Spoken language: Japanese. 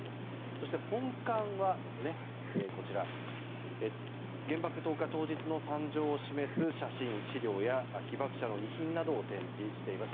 そして、本館は原爆投下当日の惨状を示す写真・資料や被爆者の遺品などを展示しています。